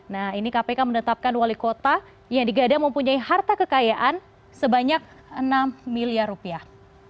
nah ini kpk menetapkan wali kota yang digadang mempunyai harta kekayaan sebanyak enam miliar rupiah